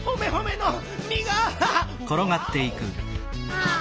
ああ。